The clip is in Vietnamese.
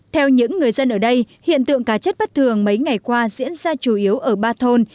theo những người dân ở đây hiện tượng cá chết bất thường mấy ngày qua diễn ra chủ yếu ở ba thôn